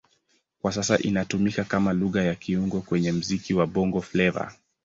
Kwa sasa inatumika kama Lugha ya kiungo kwenye muziki wa Bongo Flava.